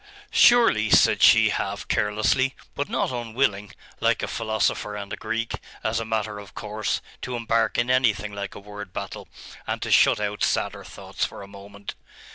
'Surely,' said she half carelessly: but not unwilling, like a philosopher and a Greek, as a matter of course, to embark in anything like a word battle, and to shut out sadder thoughts for a moment.